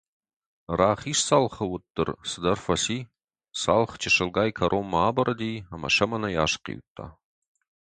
Рахиз цалхы уыттыр цыдӕр фӕци, цалх чысылгай кӕронмӕ абырыди ӕмӕ сӕмӕнӕй асхъиудта.